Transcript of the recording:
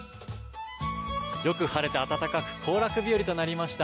よく晴れて暖かく行楽日和となりました。